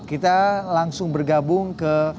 kita langsung bergabung ke